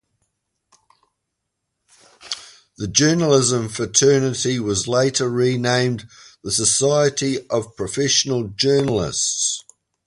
The journalism fraternity was later renamed the Society of Professional Journalists.